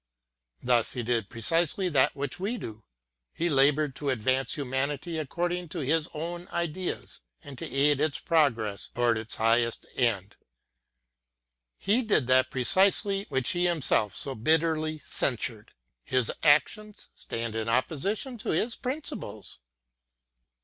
Thus he did precisely that which we do, — he laboured to advance humanity according to his own ideas, and to aid towards its highest end. He did that precisely which he himself so bitterly censured; his actions stand in opposition to bin principles.